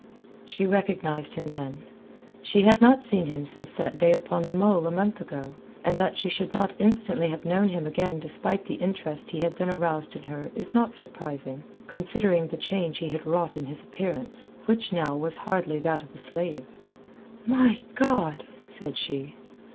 She recognized him then. She had not seen him since that day upon the mole a month ago, and that she should not instantly have known him again despite the interest he had then aroused in her is not surprising, considering the change he had wrought in his appearance, which now was hardly that of a slave. "My God!" said she.